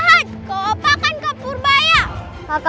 awas kalau sampai kapur bayang celaka